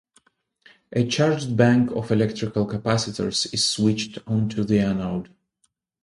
A charged bank of electrical capacitors is switched onto the anode.